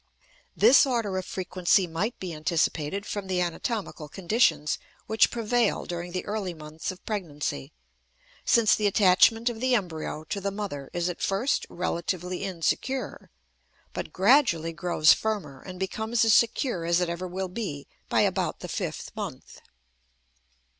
This order of frequency might be anticipated from the anatomical conditions which prevail during the early months of pregnancy, since the attachment of the embryo to the mother is at first relatively insecure, but gradually grows firmer, and becomes as secure as it ever will be by about the fifth month.